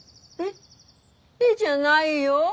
「え？」じゃないよ。